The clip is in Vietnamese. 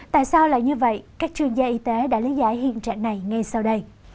tại sao lại như vậy các chuyên gia y tế đã lý giải hiện trạng này ngay sau đây